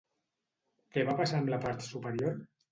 Què va passar amb la part superior?